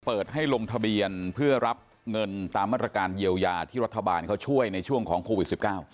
เปิดให้ลงทะเบียนเพื่อรับเงินตามมาตรการเยียวยาที่รัฐบาลเขาช่วยในช่วงของโควิด๑๙